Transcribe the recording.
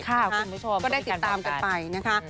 คุณผู้ชมก็ได้ติดตามกันไปนะคะ